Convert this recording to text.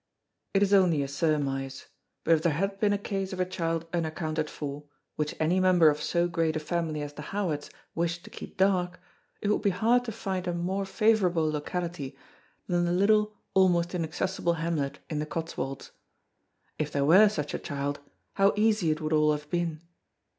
It is only a surmise; but if there had been a case of a child unaccounted for, which any member of so great a family as the Howards wished to keep dark, it would be hard to find a more favourable locality than the little almost inaccessible hamlet in the Cotswolds. If there were such a child, how easy it would all have been.